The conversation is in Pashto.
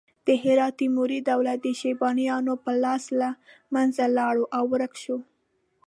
د هرات تیموري دولت د شیبانیانو په لاس له منځه لاړ او ورک شو.